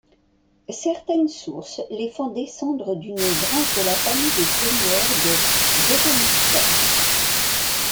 Certaines sources les font descendre d'une branche de la famille des seigneurs de Jegenstorf.